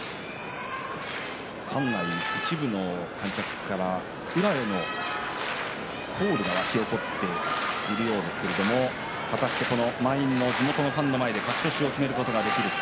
館内、一部の観客から宇良への、コールが沸き起こっているようですけれども満員の地元のファンの前で勝ち越しを決めるか、どうか。